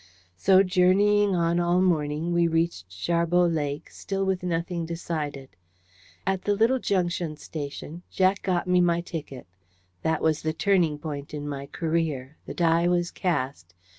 So, journeying on all morning, we reached Sharbot Lake, still with nothing decided. At the little junction station, Jack got me my ticket. That was the turning point in my career. The die was cast.